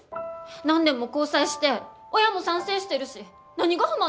何年も交際して親も賛成してるし何が不満なわけ？